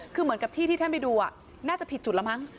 คือเหมือนกับที่ที่ท่านไปดูน่าจะผิดจุดแล้วมั้ง